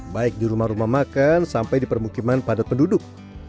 baik di rumah rumah makan sampai di permukiman padat penduduk